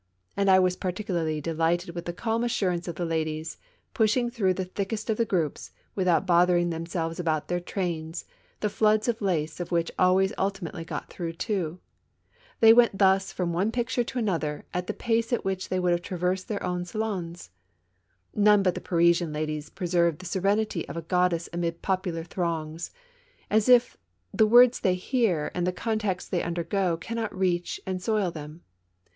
And I was particularly delighted with the calm assurance of the ladies, pushing through the thickest of the groups, without bothering themselves about their trains, the floods of lace of which always ultimately got through, too. They went thus from one picture to another at the pace at which they would have 2 84 SALON AND THEATRE. traversed their own salons. None but the Parisianladies preserve the serenity of a goddess amid popular throngs, as if the words they hear and the contacts they undergo cannot reach and soil them.